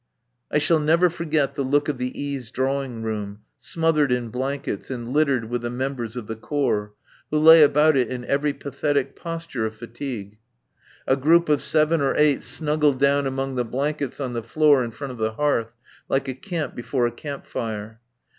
I shall never forget the look of the E.s' drawing room, smothered in blankets and littered with the members of the Corps, who lay about it in every pathetic posture of fatigue. A group of seven or eight snuggled down among the blankets on the floor in front of the hearth like a camp before a campfire.